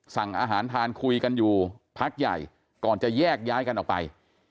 สั่งอาหารทานคุยกันอยู่พักใหญ่ก่อนจะแยกย้ายกันออกไป